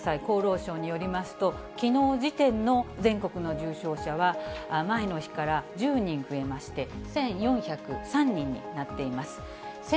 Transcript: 厚労省によりますと、きのう時点の全国の重症者は、前の日から１０人増えまして、１４０３人になっています。